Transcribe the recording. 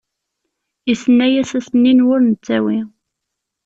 Isenna-yas asenni n wur nettawi.